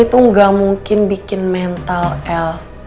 ini tuh gak mungkin bikin mental el